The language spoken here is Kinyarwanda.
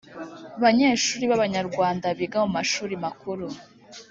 banyeshuri b Abanyarwanda biga mu mashuri makuru